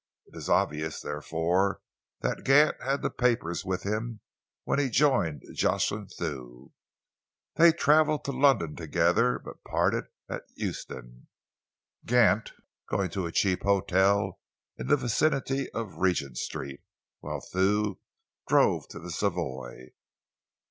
It is obvious, therefore, that Gant had the papers with him when he joined Jocelyn Thew. They travelled to London together but parted at Euston, Gant going to a cheap hotel in the vicinity of Regent Street, whilst Thew drove to the Savoy.